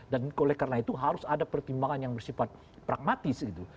dan oleh karena itu harus ada pertimbangan yang bersifat pragmatis gitu